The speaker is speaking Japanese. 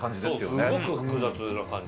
そう、すごく複雑な感じ。